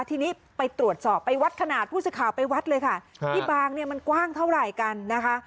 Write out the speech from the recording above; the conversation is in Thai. ทีนี้ไปตรวจสอบไปวัดขนาดผู้สื่อข่าวไปวัดเลยค่ะที่บางเนี่ยมันกว้างเท่าไหร่กันนะคะ